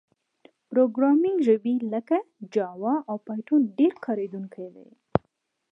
پروګرامینګ ژبې لکه جاوا او پایتون ډېر کارېدونکي دي.